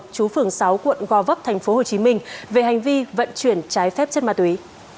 chú phường sáu quận gò vấp tp hcm về hành vi vận chuyển trái phép chất ma túy